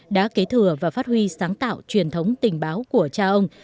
đã kế thừa và phát huy sáng tạo truyền thống tình báo của cha ông